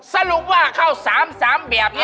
สรุปว่าเข้า๓๓แบบนี้